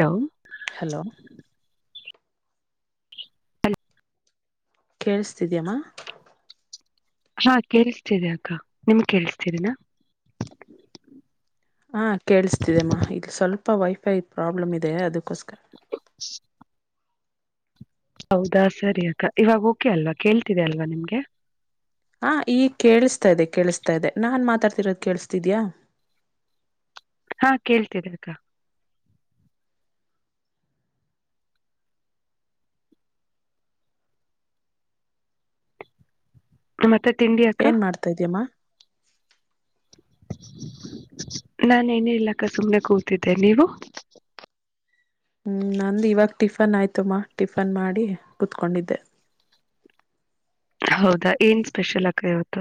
Hello. Hello. ಕೇೇಳಸ್ತಿದ್ಯಮ್ಮ. ಹಾ ಕೇೇಳಸ್ತಿದೆ ಅಕ್ಕ ನಿಮ್ ಕೇೇಳಿಸತೀರಿನಾ. ಹಾ ಕೇಳಿಸ್ತಿದೆಮ್ಮ ಇಲ್ಲಿ ಸ್ವಲ್ಪ. ವೈಫೈ ಪ್ರಾಬ್ಲಮ್ ಇದೆ ಅದಕ್ಕೋಸ್. ಷ್.. ಹೌದಾ ಸರಿ ಅಕ್ಕ ಇವಾಗ ಓಕೆ ಅಲ್ವಾ ಕೇಳ್ತಿದೆ ಅಲ್ವಾ ನಿಮ್ಗೆ. ಹ ಈ ಕೇಳಿಸ್ತಾ ಇದೆ ಕೇಳಿಸತಾ ಇದೆ ನಾನ್ ಮಾತಾಡ್ತಿರೋದ ಕೇಳಿಸತಿದ್ಯಾ. ಹಾ ಕೇಳ್ತಿದೆ ಅಕ್ಕ. ಮತ್ತೆ. ತಿಂಡಿ ಅಕ್ಕ ಏನ್ ಮಾಡ್ತಾ ಇದ ಇದ್ಯಮ್ಮ. ನಾನು ನೇ ಇಲಕ್ಕ ಸುಮ್ನೆ ಕೂತಿದ್ದೆ ನೀವು. ಹ್ಮ್ ನಂದು ಇವಾಗ ಟಿಫನ್ ಆಯ್ತುಮ್ಮ ಟಿಫನ್ ಮಾಡಿ ಕುತ್ಕೊಂಡಿದ್ದೆ. ಹೌದಾ ಏನ್ ಸ್ಪೆಷಲ್ ಆಕ ಇವತ್ತು.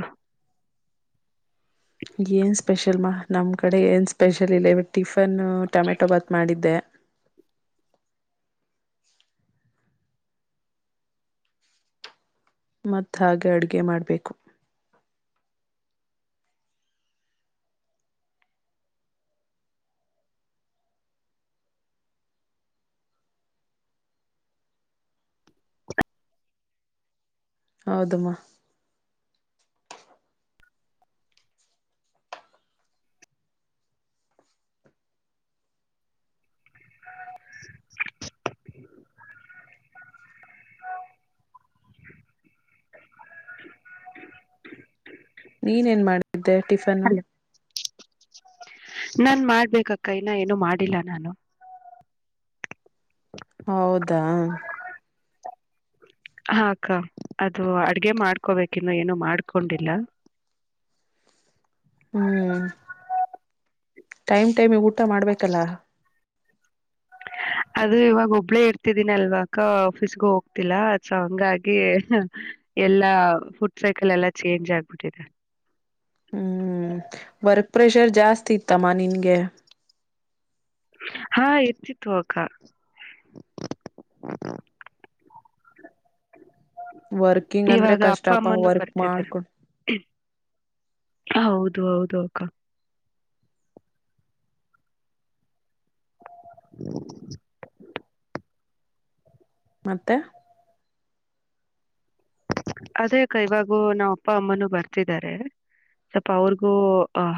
ಏನ್ ಸ್ಪೆಷಲ್ ಮಾ ನಮ್ ಕಡೆ ಏನ್ ಸ್ಪೆಷಲ್ ಇಲ್ಲ ಇವ ಟಿಫನ್ ಟೊಮೆಟೊ ಭಾತ್ ಮಾಡಿದ್ದೆ. ಮತ್ತ ಹಾಗೆ ಅಡುಗೆ ಮಾಡ್ಬೇಕು. ಹೌದುಮ್ಮ. ಹ. ನೀನೇನ್ ಮಾಡತಿದ್ದೆ ಟಿಫನ್ನು. ನನ್ ಮಾಡ್ಬೇಕಕ್ಕ ಇನ್ನ ಏನು ಮಾಡಿಲ್ಲ ನಾನು. ಹೌದಾ. ಹಾಕ್ಕ ಅದು ಅಡ್ಗೆ ಮಾಡ್ಕೋಬೇಕ ಇನ್ನು ಏನು ಮಾಡ್ಕೊಂಡಿಲ್ಲ. ಹ್ಮ್. ಟೈಮ್ ಟೈಮ್ ಊಟ ಮಾಡ್ಬೇಕಲ್ಲಾ. ಅದು ಇವಾಗ ಒಬ್ಳೇ ಇರ್ತಿದೀನಿ ಅಲ್ವಕ ಆಫೀಸ್ಗೂ ಹೋಗ್ತಿಲ್ಲ ಸ ಹಂಗಾಗಿ ಎಲ್ಲಾ ಫುಡ್ ಸೈಕಲ್ ಎಲ್ಲ ಚೇಂಜ್ ಆಗ್ಬಿಟ್ಟಿದೆ. ಹ್ಮ್ ವರ್ಕ್ ಪ್ರೆಷರ್ ಜಾಸ್ತಿ ಇತ್ತಮ್ಮ ನಿನ್ಗೆ. ಹಾ ಎಚ್ಚತ್ತು ಅಕ. ವರ್ಕಿಂಗ್ ಅಂದ್ರೆ ಕಷ್ಟಪ ವರ್ಕ್ ಬರ್ತಿದ್ದಾರೆ ಮಾಡ್ಕೊಂಡ. ಹದು ಹೌದುೋಕಾ. ಅಃ. ಮತ್ತೆ. ಅದೇ ಇವಾಗ ನಾವ್ ಅಪ್ಪ ಅಮ್ಮನು ಬರ್ತಿದ್ದಾರೆ ಸ್ವಲ್ಪ ಅವ್ರಿಗೂ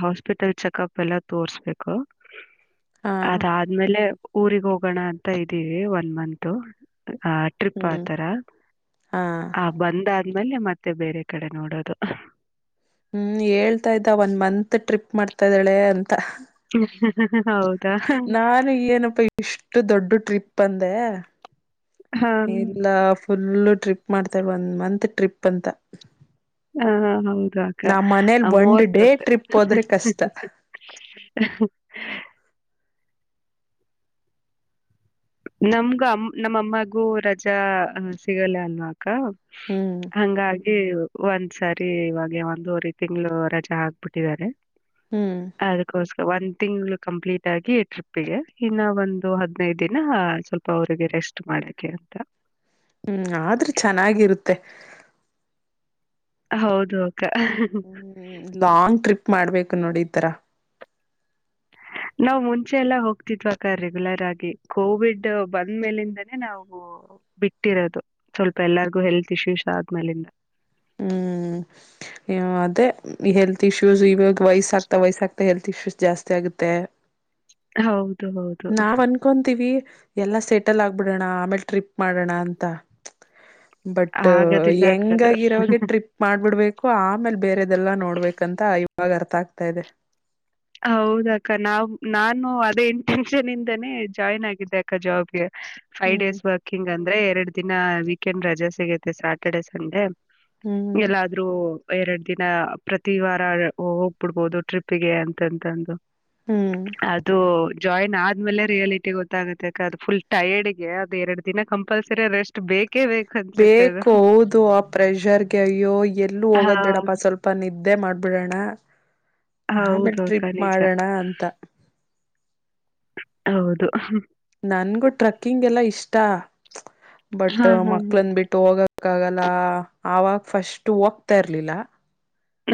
ಹಾಸ್ಪಿಟಲ್ ಚೆಕ್ಪ್ ಎಲ್ಲ ತೋರ್ಸ್ಬೇಕು. ಹಾ ಅದಾದ ಆದ್ಮೇಲೆ. ಊಗ್ ಹೋಗೋಣ ಅಂತ ಇದೀವಿ ಒನ್ ಮತ್. ಆ ಟ್ರಿಪ್ ಹ್ಮ್ ಆತರ ಹಾ ಆ ಬಂದ. ನಿಮಲ್ಲೇ ಮತ್ತೆ ಬೇರೆ ಕಡೆ ನೋಡೋದು. ಹ್ಮ್ ಹೇಳ್ತಾ ಇದ್ದ ಒನ್ ಮಂತ್ ಟ್ರಿಪ್ ಮಾಡ್ತಾ ಇದ್ದಾಳೆ ಅಂತ ಹ್ಮ ಹ್ಮ ಹ್ಮ ನಾನು ಏನಪ್ಪಾ ಇಷ್ಟು ದೊಡ್ಡ ಟ್ರಿಪ್ ಪ್ಪಂದ ಹಾ ಎಲ್ಲ ಫುಲ್ಲ ಟ್ರಿಪ್ ಮಾಡ್ತಾರೆ ಒಂದ್ ಮಂತ್ ಟ್ರಿಪ್ ಅಂತ ಹಾ ಹೌದು ಅಕ್ಕ ನಾ ಮನೇಲಿ ಆ ಒಂದ್ ಡೇ ಮೂವತ್ತೊಂದು ಟ್ರಿಪ್ ಹೋದ್ರೆ ಕಷ್ಟ ನಮಗ ನಮ್ಮ ಅಮ್ಮಗೂ ರಜಾ ಸಿಗಲ್ಲ ಅಲ್ವಾ ಹ್ಮ್ ಹಂಗಾಗಿ ಈ ಒಂದ್ಸಾರಿ ಇವಾಗ ಒಂದೂವರೆ ತಿಂಗಳು ರಜಾ ಹಾಕ್ಬಿಟ್ಟಿದ್ದಾರೆ ಹ್ಮ್ ಅದಕೋಸ್ಕರ ಒಂದ್ ತಿಂಗ್ಗಳು ಕಂಪ್ಲೀಟ್ ಆಗಿ ಟ್ರಿಪ್ಿಗೆ ಇನ್ನ ಒಂದು ಹದ್ಿನೈದು ದಿನಾ ಸ್ವಲ್ಪ ಅವರಿಗೆ ರೆಸ್ಟ್ ಮಾಡಕ್ಕೆ ಅಂತ ಹ್ಮ್ ಆದ್ರೆ ಚೆನ್ನಾಗಿರುತ್ತೆ ಹೌದೌದು ಹ್ಮ್ ಲಾಂಗ್ ಟ್ರಿಪ್ ಮಾಡ್ಬೇಕು ನೋಡಿ ಈ ತರ ನಾವವು್ ಮುಂಚೆ ಎಲ್ಲ ಹೋಗ್ತಿದ್ವಕ ರೆಗ್ಯುಲರ್ ಆಗಿ ಕೋವಿಡ್ ಬಂದ್ಮೇಲಿಂದಾನೇ ನಾವು ಬಿಟ್ಟಿರೋದು ಸ್ವಲ್ಪ ಎಲ್ಲಾರ್ಗು ಹೆಲ್ತ್ ಇಶ್ಯೂಸ್ ಆದ್ಮೇಲಿಂದ ಹ್ಮ್ ಅದೇ ಹೆಲ್ತ್ ಇಶ್ಯೂಸ್ ಇವಾಗ ವಯಸ್ಸ ಆಗ್ತಾ ವಯಸ್ಸ ಆ್ತಾ ಹೆಲ್ತ್ ಇಶ್ಯೂಸ್ ಜಾಸ್ತಿ ಆಗುತ್ತೆ ಹೌದು ಹೌದು ನಾವ್ ಅನ್ಕೊಂತೀವಿ ಎಲ್ಲಾ ಸೆಟಲ್ ಆಗ್ಬಿಡೋಣ ಆಮೇಲ್ ಟ್ರಿಪ್ ಮಾಡೋಣ ಅಂತ ಬಟ್ ಆಗದಿಲ್ಲ ಅಕ್ಕ ಹೆಂಗಗರಾಗ ಅದು. ಟ್ರಿಪ್ ಮಾಡ್ಬಿಡ್ಬೇಕು ಆಮೇಲೆ ಬೇರೆದೆಲ್ಲ ನೋಡ್ಬೇಕಂತ ಇವಾಗ ಅರ್ಥ ಆಗ್ತಾ ಇದೆ ಹೌದ ಅಕ್ಕ ನಾವವು ನಾನು ಅದೇ ಇಂಟೆನ್ಷನ್ ಇಂದಾನೇ ಜಾಯ್ನ್ ಆಗಿದ್ದೆ ಅಕ್ಕ ಜಾಬ್ಗೆ ಫೈವ್ ಹ್ಮ್ ಡೇಸ್ ವರ್ಕಿಂಗ್ ಅಂತ ಅಂದ್ರೆ ಎರಡು ದಿನ ವೀಕೆಂಡ್ ರಜೆ ಸಿಗುತ್ತೆ ಸ್ಯಾಟರ್ಡೆ ಸಂಡೆ ಹ್ಮ್ ಎಲ್ಲಾದ್ರೂ ಎರಡು ದಿನ ಪ್ರತಿ ವಾರ ಹೋಗ್ಬಿಡ್ಬಹುದು ಟ್ರಿಪ್ಗೆ ಅಂತ [inaudible] ಹ್ಮ್ ಅದು ಜಾಯಿನ್ ಆದ್ಮೇಲೆ ಯಲಿಟಿ ಗೊತ್ತಾಗುತ್ತೆ ಅ ಅದು ಫುಲ್ ಟೈರ್ಡ್ಗೆ ಅದು ಎರಡು ದಿನ ಕಂಪಲ್ಸರಿ ರೆಸ್ಟ್ ಬೇಕು ಅನ್ಸುತ್ತೆ ಅದು ಬೇಕು ಹೌದು ಆ ಪ್ರೆಷರ್ಗೆ ಅಯ್ಯೋ ಎಲ್ಲೂ ಹ ಹೋಗದ್ಬೇಡಪ್ಪ ಸ್ವಲ್ಪ ನಿದ್ದೆ ಮಾಡ್ಬಿಡಣ ಆಮೇ ಹೌದು ಅಕ್ಕ ಟ್ರಿಪ್ ನಿಜ ಮಾಡೋಣ ಅಂತ ಹೌದು ನನ್ಗೂ ಟ್ರಕ್ಕಿಂಗ್ ಎಲ್ಲಾ ಇಷ್ಟ ಬಟ್ ಹಾ ಹಾ ಮಕ್ಳಂದ ಬಿಟ್ಟು ಹೋಗ ಯಕ್ಕಾಗಲ್ಲ ಆವಾಗ ಫಸ್ಟ್ ಹೋಗತಾ ಇರ್ಲಿಲ್ಲ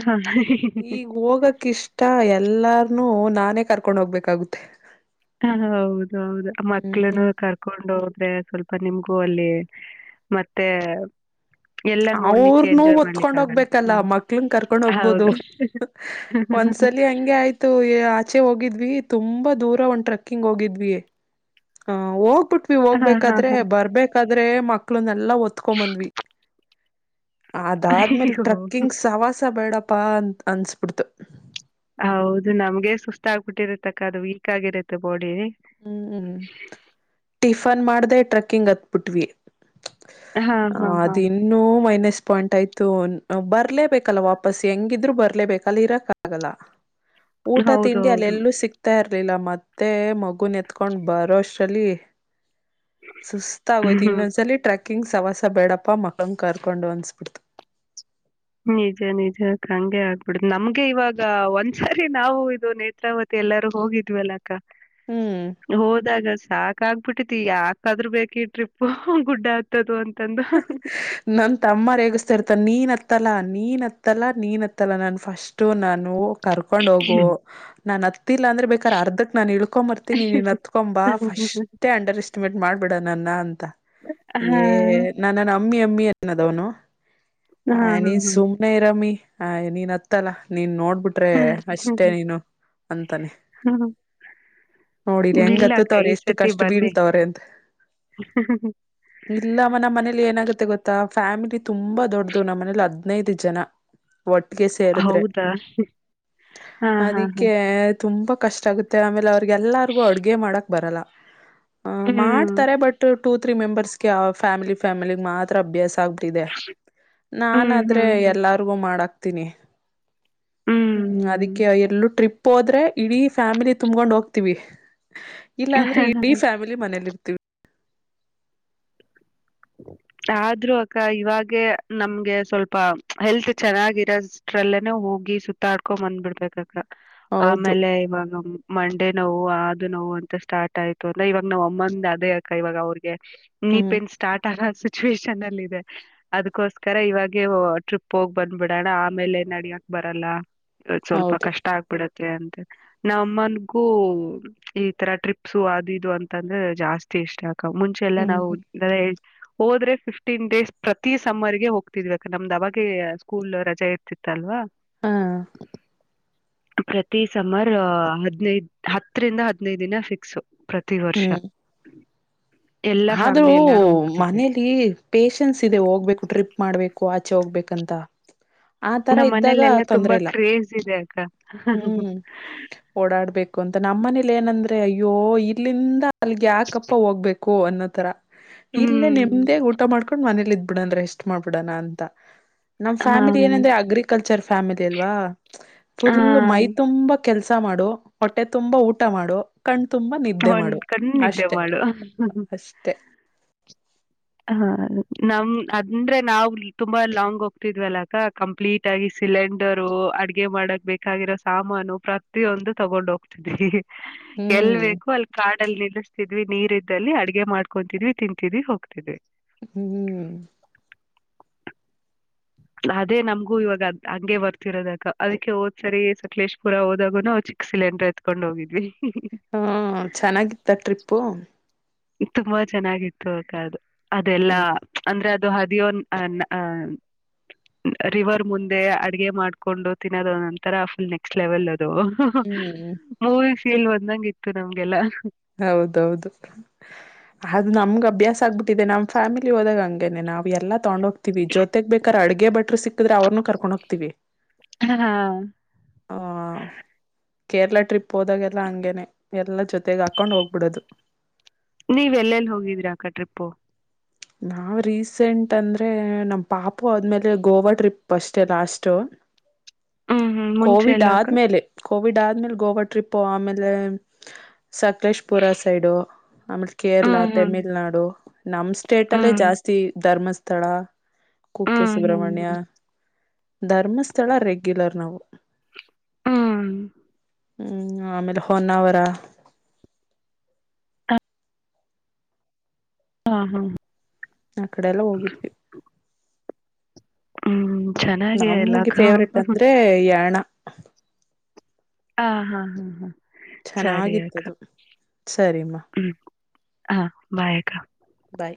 ಹಾ ಹ ಈಗ್ ಹೋಗಕ ಇಷ್ಟ ಎಲ್ಲಾರ್ನುೂ ನಾನೇ ಕರ್ಕೊಂಡ್ ಹೋಗ್ಬೇಕಾಗುತ್ತೆ ಹ ಹೌದ ಹೌದು ಮಕ್ಳನ್ನು ಹ್ಮ್ ಕರ್ಕೊಂಡು ಹೋಗ ಆದ್ರೆ ಸ್ವಲ್ಪ ನಿಮ್ಗೂ ಅಲ್ಲಿ ಮತ್ತೆ ಎಲ್ಲ ನೋಡ್ಲಿಕ್ಕೆ ಅವ್ರನುೂ ಎಂಜಾಯ್ ಮಾಡ್ಲಿಕ್ಕೆ ಹೊತ್ಕೊಂಡ್ ಆಗಲ್ಲ ಹೋಗ್ಬೇಕಲ್ಲ ಹ್ಮ್ ಮಕ್ಳನ್ ಕರ್ಕೊಂಡ್ ಹೋಗ್ಬೋದು ಹೌದು ಒಂದ್ಸಲಿ ಹಂಗೆ ಆಯ್ತು ಆಚೆ ಹೋಗಿದ್ವಿ ತುಂಬಾ ದೂರ ಒಂದು್ ಟ್ರಕ್ಕಿಂಗ್ ಹೋಗಿದ್ವಿ ಹಾ ಓ ಬಟ್ವಿ ಹಾ ಹಾ ಹೋಗ್ಬೇಕಾದ್ರೆ ಹಾ ಬರ್ಬೇಕಾದ್ರೆ ಅಂದ್ರೆ ಮಕ್ಳು ಎಲ್ಲಾ ಒತ್ಕೊ ಬಂದ್ವಿ ಅದಾದ್ಮೇಲೆ ಅಯ್ಯೋ ಟ್ರಕ್ಕಿಂಗ್ ಸವಾಸ ಬೇಡಪ್ಪ ಪ್ಪಾ ಅನ್ ಅನ್ಿಸಬಿಡ್ತು ಹೌದು ನಮ್ಗೆ ಸುಸ್ತ ಆಗ್ಬಿಟ್ಟಿರತಕ್ಕ ಅದು ವೀಕ್ ಆಗಿರುತ್ತೆ ಬಾಡಿ ಹ್ಮ್ ಹ್ಮ್ ಟಿಫ ಫನ್ ಮಾಡ್ದೇ ಟ್ರಕ್ಕಿಂಗ್ ಹತ್ಬಿಟ್ವಿ ಹಾ ಹಾ ಹ ಹಾ ಅದನ್ನುೂ ಮೈನ ಪಾಯಿಂಟ್ ಆಯ್ತು ಬರ್ಲೇಬೇಕಲ್ಲ ವಾಪಸ್ ಹೆಂಗಿದ್ರು ಬರ್ಲೇಬೇಕಲ್ಲ ಇರಕ್ ಆಗಲ್ಲ ಊಟ ಹೌದು ತಿಂಡಿ ಅಲ್ಲ ಹೌದು ಎಲ್ಲೂ ಸಿಗ್ತಾರ್ ಲಿಲ್ಲ ಮತ್ತೆ ಮಗ ಗುನ್ ಎತ್ಕೊಂಡ್ ಬರೋ ಅಷ್ಟರಲ್ಲಿ ಸುಸ್ತ ಆಯ್ು ಹ್ಮ್ ಇನ್ನೊಂದ್ಸ ಟ್ರ್ಯಾಕ್ ಕಿಂಗ್ ಸವಾಸ ಬೇಡಪ್ಪ ಮಖಂಗೆ ಕರ್ಕೊಂಡು ಅನಿಸ್ಬಿಡ್ತು ನಿಜ ನಿಜ ಹಂಗೆ ಆಗ್ಬಿಡ ನಮ್ಗೆ ಇವಾಗ ಒಂದ್ಸಾರಿ ನಾವು ಇದು ನೇತ್ರಾವತಿ ಎಲ್ಲಾರೂ ಹೋಗಿದ್ವಲ್ಲಾಕ್ಕ ಹ್ಮ್ ಹೋದಾಗ ಸಾಾಕ ಆಗ್ಬಿಟ್ಟತಿ ಯಾಕಾದ್ರೂ ಬೇಕಿ ಟ್ರಿಪ್ ಗುಡ್ಡ ಆಗ್ತದ ಅಂತ ನನ್ ತಮ್ಮೇಗಿಸ್ತಾ ಇರ್ತ ನೀನ್ತ್ತ ಹತ್ತಲ ನೀನ್ ಹತ್ತಲ್ಲ ನೀನ್ ಹತ್ತಲ್ಲ ನಾನು ಫಸ್ಟ್ ನಾನು ಕರ್ಕೊಂಡ್ ಹೋಗು ನಾನು ಹತ್ತಿಲ್ಲ ಅಂದ್ರೆ ಬೇಕಾರೆ ಅರ್ಧಕ್ ನಾನು ಇಳ್ಕೊಂಡ್ಂಬರ್ತೀನಿ ನೀ ಹತ್ಕೊಂಬ ಫಸ್ೇ ಅಂಡರ್ ಎಸ್ಟಿಮೇಟ್ ಮಾಡ್ಬಿಡ ನನ್ನ ಅಂತ ಹಾ. ಎ ಅಮ್ಮಿ ಅಮ್ಮಿ ನದಾವನು ಹಾ ಅ ಸುಮನೆ ರಾಮೀ ಹ ನೀನ್ ಅತ್ತಲ್ಲಾ ನೀನ್ ನೋಡ್ ಬಿಿಟ್ರೆ ಹಾ ಅಷ್ಟೇ ನೀನು ಅಂತಾನೆ ಹಾ. ನೋಡಿಲಿ ನಿಲ್ಲಕ್ಕ ಹೆಂಗತ್ತತವ್ರ ಈ ಎಷ್ಟು ಸತಿ ಕಷ್ಟ ಬನ್ನಿ. ಬೀಳ್ತವ್ರ ಅಂತ ಇಲ್ಲಮ್ಮ ನಮ್ಮ ಮನೇಲಿ ಏನಾಗತ್ತೆ ಗೊತ್ತಾ ಫ್ಯಾಮಿಲಿ ತುಂಬಾ ದೊಡ್ಡ ದು ನಮ್ಮ ಮನೇಲಿ ಹದ್ನೈದು ಜನ ಒಟ್ಟಿಗೆ ಸೇರಿದ್ರೆ ಹೌದಾ? ಹಾ ಹಾ ಹಾ. ಅದಿಕ್ಕೆ ತುಂಬಾ ಕಷ್ಟ ಆಗುತ್ತೆ ಆಮೇಲೆ ಅವ್ರಿಗೆಲ್ಲಾರ್ಗು ಅಡ್ಗೆ ಮಾಡಕ್ ಬರಲ್ಲ ಹ ಹ್ಮ್ ಮಾಡ್ತಾರೆ ಬಟ್ ಟೂ ತ್ರೀ ಮೆಂಬರ್ಸ್ಗೆ ಆ ಫ್ಯಾಮಿ ಫ್ಯಾಮಿಲಿಿಗೆ ಮಾತ್ರ ಅಭ್ಯಾಸ ಸಾಾಗಬ್ರಿದೆ ನಾನ್ ಹ್ಮ್ ಆದ್ರೆ ಹ್ಮ್ ಎಲ್ಲರಿಗೂ ಮಾಡಾಕ್ತೀನಿ ಹ್ಮ್ ಅದಕ್ಕೆ ಎಲ್ಲೂ ಟ್ರಿಪ್ ಹೋದ್ರೆ ಇಡೀ ಫ್ಯಾಮಿಲಿ ತುಂಬಕೊಂಡ್ ಹೋಗ್ತಿವಿ ಇಲ್ಲಾಂದ್ರೆ ಇಡೀ ಹ್ಮ್. ಫ್ಯಾಮಿಲಿ ಮನೇಲಿ ಇರ್ತೀವಿ ಆದ್ರೂ ಅಕ್ಕ ಇವಾಗೇ ನಮ್ಗೆ ಸ್ವಲ್ಪ ಹೆಲ್ತ್ ಚೆನ್ನಾಗಿರದ್ರಲ್ಲೇನೆ ಹೋಗಿ ಸುತ್ತಾಡ್ಕೊ ಬಂದ್ಬಿಡ್ಬೇಕ ಅಕ್ಕ ಹೌದು ಆಮೇಲೆ ಇವಾಗ ಮ ಅನೋವು ಅದು ನೋವು ಅಂತ ಸ್ಟಾರ್ಟ್ ಆಯ್ು ಅಂದ್ರ ಇವಾಗ ನಾವು ಅಮ್ಮಂದ ಅದೇ ಅಕ್ಕ ಇವಾಗ ಅವ್ರಿಗೆ ನೀ ಹ್ಮ್ ಪೆನ್ಸ್ ಸಿಚುವೇಷನ್ ಅಲ್ಲಿ ಇದೆ ಅದ್ಕೋಸ್ಕರ ಇವಾಗೆ ಟ್ರಿಪ್ ಹೋಗಿ ಬಂದ್ಬಿಡೋಣ ಆಮೇಲೆ ನಡಿಯಕ್ ಬರಲ್ಲ ಸ್ವಲ್ಪ ಹೌದು ಕಷ್ಟ ಆಗ್ಬಿಡುತ್ತೆ ಅಂತ ನ ಅಮ್ಮನ್ಗೂ ಈ ತರ ಟ್ರಿಪ್ಸು ಅದು ಇದು ಅಂತಂದ್ರೆ ಜಾಸ್ತಿ ಇಷ್ಟ ಆಗ್ದೆ ಮುಂಚೆಲ್ಲ ಹ್ಮ್ ನಾವು ಹೋದ್ರೆ ಫಿಫ್ಟೀನ್ ಡೇಸ್ ಪ್ರತಿ ಸಮ್ಮರ್ಗೆ ಹೋಗ್ತಿದ್ವ ನಮ್ದ್ ಅವಾಗ ಸ್ಕೂಲ್ ರಜಾ ಇರ್ತಿತ್ತ ಅಲ್ವಾ ಹಾ ಪ್ರತಿ ಸಮರ್ ಹದ್ನೈದ ಹತ್ತರಿಂದ ಹದ್ನೈದು ದಿನ ಫಿಕ್ಸ್ ಪ್ರತಿ ವರ್ಷ ಹ್ಮ್ ಎಲ್ಲಾ ಆದ್ರೂ ಫ್ಯಾಮಿಲಿ ಎಲ್ಲಾರೂ ಹೋಗ ಮನೇಲಿ ಪೇಶನ್ಸ್ ಇದೆ ಹೋಗ್ಬೇಟ್ರೀಪ್ ಮಾಡ್ಬೇಕು ಆಚೆ ಹೋಗ್ಬೇಕಂತ ಆ ತರ ನಮ್ಮ ಇದ್ದಾಗ ಮನೇಲೆ ಎಲ್ಲಾ ತುಂಬಾ ತೊಂದ್ರೆ ಇಲ್ಲ ಕ್ರೇಜ ಇದೆ ಅಕ್ಕ ಹ್ಮ್ ಓಡಾಡ್ಬೇಕು ಅಂತ ನಮ್ಮ ಮನೇಲಿ ಏನಂದ್ರೆ ಅಯ್ಯೋ ಇಲ್ಲಿಂದ ಅಲ್ಲಿಗೆ ಯಾಕಪ್ಪ ಹೋಗ್ಬೇಕು ಓ ಅನ್ನೋ ತರ ಇಲ್ಲೇ ಹ್ಮ್ ನೇಮ್ಡಿಯಾಗಿ ಊಟ ಮಾಡ್ಕೊಂಡ್ ಮಂದಿ ಇದ್ ಬಿಡ ಅಂದ್ರೆ ರೇಷ್ಟಟ್ ಮಾಡ್ಬಿಡಣ ಅಂತ ನಮ್ ಹಾ ಫ್ಯಾಮಿಲಿ ಏನಂದ್ರೆ ಅಗ್ರಿಕಲ್ಚರ್ ಫ್ಯಾಮಿಲಿ ಅಲ್ವಾ ಹಾ ಫುಲ್ ಮೈ ತುಂಬಾ ಕೆಲ್ಸ ಮಾಡು ಹೊಟ್ಟೆ ತುಂಬಾ ಊಟ ಮಾಡು ಕಣ್ ತುಂಬಾ ಒಂದ್ ಕಣ್ಣಿದ್ದೇ ಮಾಡಳು ಅಷ್ಟೇ ಹ ನಮ ಅಂದ್ರೆ ನಾವವು ತುಂಬಾ ಲಾಂಗ್ ಹೋಗ್ತಿದ್ವಲ್ಲ ಅಕ್ಕ ಕಂಪ್ಲೀಟ್ ಆಗಿ ಸಿಲಿಂಡರು ಅಡ್ಗೆ ಮಾಡಕ್ ಬೇಕಾಗಿರೋ ಸಾಮಾನು ಪ್ರತಿಯೊಂದು ತಗೊಂಡ್ ಹೋಗ್ತಿದ್ವಿ ಎಲ್ ಹ್ಮ್ ಬೇಕು ಅಲ್ಲಿ ಕಾ ಲ್ಲಿ ನಿಲ್ಲಿಸತಿದ್ವಿ ನೀರ್ ಇದಲ್ಲಿ ಅಡಗೆ ಮಾಡ್ಕೊಂತಿದ್ವಿ ತಿಂತಿದ್ವಿ ಹೋಗಿ ಇ ಹ್ಮ್ ಅದೇ ನಮ್ಗೂ ಇವಾಗ್ ಹಂಗೆ ಬರ್ತಿರೋದಕ ಅದಕ್ಕೆ ಹೋದ್ಸರಿ ಸಕಲೇಶ್ಪುರ ಹೋದಾಗುನು ಚಿಕ್ಕ ಸಿಲೆಂಡ್ರ ಎತ್ಕೊಂಡ್ ಹೋಗಿದ್ವಿ ಹ್ಮ ಚೆನ್ನಾಗಿತ್ತ ಟ್ರಿಪ್ಪು ತುಂಬಾ ಚೆನ್ನಾಗಿತ್ತು ಕದು ಅದೆಲ್ಲಾ ಹ್ಮ್ ಅಂದ್ರೆ ಅ ದು ಹದಿಯ ರಿವರ್ ಮುಂದೆ ಅಡಗೆ ಮಾಡ್ಕೊಂಡು ತಿನ್ನೋದ ನಂತರ ಫುಲ್ ನೆಕ್ಸ್ಟ್ ಲೆವೆಲ್ ಹ್ಮ್ [inaudible] ಕಲ್ ಒಂದಂಗ ಇತ್ತು ನಮ್ಗೆಲ್ಲ ಹೌದೌದು ಅದು ನಮ್ಗ ಅಭ್ಯಾಸ ಆಗ್ಬು ಇದೆ ನಮ್ಮ ಫ್ಯಾಮಿಲಿ ಹೋದಾಗ ಹಂಗೇನೆ ನಾವು ಎಲ್ಲ ತಗೊಂಡ ಹೋಗಿ ಆತಿವಿ ಜೊತೆಗ್ ಬೇಕಾರೆ ಅಡ್ಗೆ ಬ್ರರಿ ಸಿಕ್ಕಿದ್ರೆ ಅವ್ರೂ ಕರ್ಕೊಂಡ ಹೋಗ್ತೀವಿ ಹ ಹ ಕೇರಳ ಟ್ರಿಪ್ ಹೋದಾಗೆಲ್ಲ ಹಂಗೇನೆ ಎಲ್ಲಾ ಜೊತೆಗ ಆಗ್ತ ಕಕೊಂಡು ಹೋಗ್ಬಿಡದು ನೀವೆ ಎಲ್ಲೆಲ್ಲಿ ಹೋಗಿದೀರ ಅಕ್ಕ ಟ್ರಿಪ್ಪು ನಾವವು ರೀಸೆಂಟ್ ಅಂದ್ರೆ ನಮ್ಮ ಪಾಪು ಆದ್ಮೇಲೆ ಗೋವಾ ಟ್ರಿಪ್ ಅಷ್ಟೆ ಲಾಸ್ಟ್ ಹ್ಮ್ ಹ್ಮ್ ಮುಂಚೆ ಕೋವಿಡ್ ಎಲ್ಲ ಅಕ್ಕ ಆದ್ಮೇಲೆ ಕೋವಿಡ್ ಆದ್ಮೇಲೆ ಗೋವಾ ಟ್ರಿಪ್ ಆಮೇಲೆ ಸಕಲೇಶ್ಪುರ ಸೈಡು ಆಮೇಲೆ ಕೇರಳ ಹ್ಮ್ ಹ್ಮ್ ತಮಿಳ್ನಾಡು ನಮ ಸ್ಟೇಟ್ ಅಲ್ಲೇ ಹ್ಮ್ ಜಾಸ್ತಿ ಧರ್ಮಸ್ಥಳ [inaudible] ಹ್ಮ್ ಕುಕ್ಕೆಸುಬ್ರಹ್ಮಣ್ಯ ಹ್ಮ್ ಧರ್ಮಸ್ಥಳ ರೆಗ್ಯುಲರ್ ನವು ಹ್ಮ ಹ್ಮ್ ಆಮೇಲೆ ಹೊನ್ನಾವರ ಹಾ ಹಾ ಆ ಕಡೆ ಎಲ್ಲ ಹೋಗಿದ್ವಿ ಹ್ಮ್ ಚೆನ್ನಾಗಿ ಎಲ್ಲ ನಮ್ಗೆ ಅಕ್ಕ ಫೇವ್ರೇಟ್ ಹಾ ಅಂದ್ರೆ ಯಣ ಹ ಹಾ ಹಾ ಹಾ ಹಾ ಸರಿಯಕ್ಕ ಚೆನ್ನಾಗಿತ್ತದು ಸರಿಮ್ಮ ಹ್ಮ ಹ ಬಾಯಕ್ಕಾ ಬಾಯ್